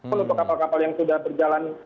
menutup kapal kapal yang sudah berjalan